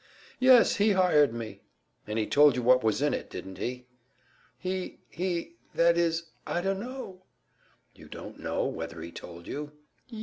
"Yes, he hired me." "And he told you what was in it, didn't he?" "He he that is I dunno." "You don't know whether he told you?"